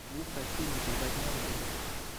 Son lourd passé n'est que vaguement évoqué.